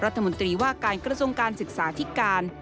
รัฐมนตรีว่าการกระทรวงการศึกษาที่การ